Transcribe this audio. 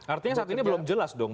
artinya saat ini belum jelas dong